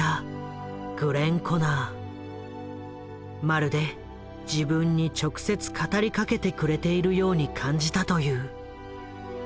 まるで自分に直接語りかけてくれているように感じたという。